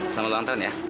selamat ulang tahun ya